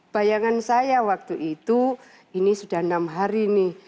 bayangan saya waktu itu ini sudah enam hari nih